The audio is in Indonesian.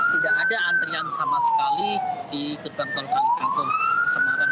tidak ada antrian sama sekali di ketuban tol kali kangkung di semarang